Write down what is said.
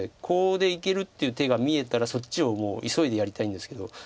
コウでいけるっていう手が見えたらそっちを急いでやりたいんですけど。